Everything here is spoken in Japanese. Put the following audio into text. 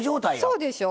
そうでしょ。